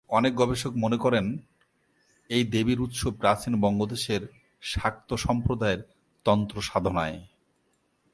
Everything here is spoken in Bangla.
অনেক গবেষক মনে করেন এই দেবীর উৎস প্রাচীন বঙ্গদেশের শাক্ত সম্প্রদায়ের তন্ত্র সাধনায়।